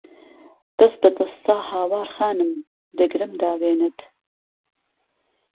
دەس به دەستا هاوار خانم، دەگرم داوێنت